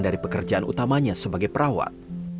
dari pekerjaan utamanya sebagai perawat